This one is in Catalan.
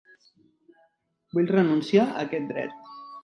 Vull renunciar a aquest dret.